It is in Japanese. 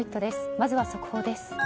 まずは速報です。